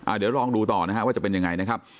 เดี๋ยวลองดูต่อนะฮะว่าจะเป็นยังไงนะครับ